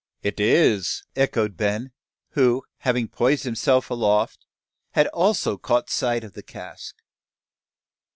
"It is," echoed Ben, who, having poised himself aloft, had also caught sight of the cask.